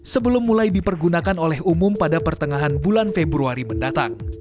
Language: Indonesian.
sebelum mulai dipergunakan oleh umum pada pertengahan bulan februari mendatang